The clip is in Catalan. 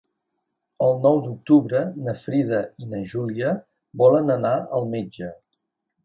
El nou d'octubre na Frida i na Júlia volen anar al metge.